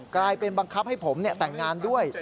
กลายเป็นบังคับให้ผมแต่งงานด้วย